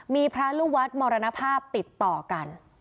มีพระลูกวัดมรณภาพติดต่อกัน